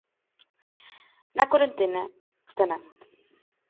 Na corentena, tamén.